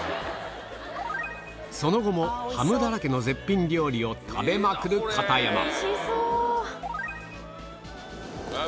その後もハムだらけの絶品料理を食べまくる片山